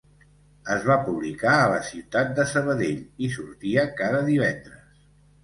Es va publicar a la ciutat de Sabadell i sortia cada divendres.